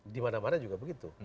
di mana mana juga begitu